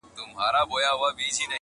مودې وسوې چا یې مخ نه وو لیدلی -